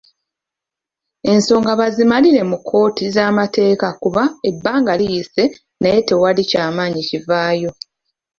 Ensonga bazimalire mu kkooti z'amateeka kuba ebbanga liyise naye tewali kyamaanyi kivaayo.